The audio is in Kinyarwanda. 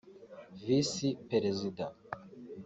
visi Perezida